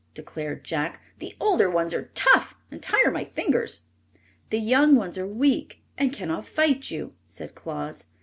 declared Jack. "The older ones are tough, and tire my fingers." "The young ones are weak, and can not fight you," said Claus.